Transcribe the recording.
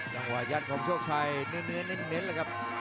จังหวะยัดของโชคชัยเนื้อเลยครับ